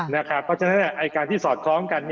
เพราะฉะนั้นการที่สอดคล้องกัน